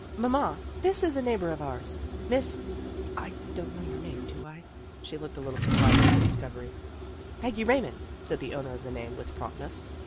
" Mamma, this is a neighbor of ours, Miss I don't know your name, do I? " She looked a little surprised at the discovery. " Peggy Raymond," said the owner of the name with promptness.